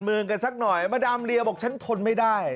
เมืองกันสักหน่อยมาดามเรียบอกฉันทนไม่ได้